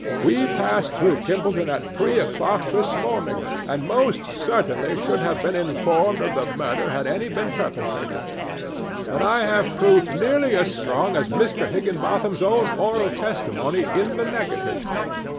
We passed through Kimballton at three o'clock this morning, and most certainly should have been informed of the murder had any been perpetrated. But I have proof nearly as strong as Mr. Higginbotham's own oral testimony in the negative.